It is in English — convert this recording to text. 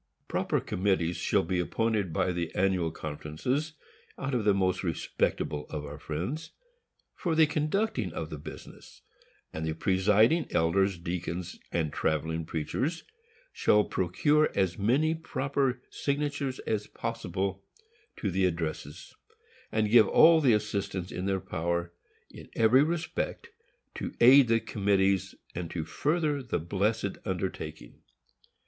Proper committees shall be appointed by the Annual Conferences, out of the most respectable of our friends, for the conducting of the business; and the presiding elders, deacons, and travelling preachers, shall procure as many proper signatures as possible to the addresses; and give all the assistance in their power, in every respect, to aid the committees, and to further the blessed undertaking.